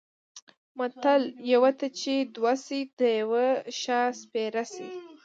متل: یوه ته چې دوه شي د یوه شا سپېره شي.